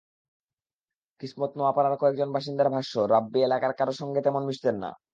কিসমত নোয়াপাড়ার কয়েকজন বাসিন্দার ভাষ্য, রাব্বি এলাকার কারও সঙ্গে তেমন মিশতেন না।